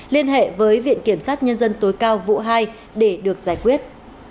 liên hệ với viện kiểm sát nhân dân tối cao vụ hai để được giải quyết